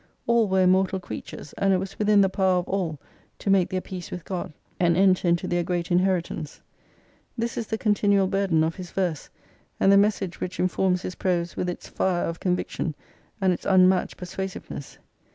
All were immortal creatures, and it was within the power of all to make their peace with God, and enter into their great inheritance. This is the continual burden of his verse, and the message which informs his prose with its fire of conviction, and its unmatched persuasiveness.